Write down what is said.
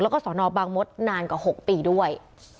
แล้วก็สอนอบางมดนานกว่า๖ปีด้วย